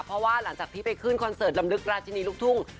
เพราะว่าหลังจากที่ไปขึ้นคอนเสิร์ตลำลึกราชินีลูกทุ่ง